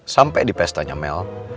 sampai di pestanya mel